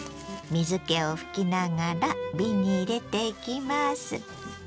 水けを拭きながら瓶に入れていきます。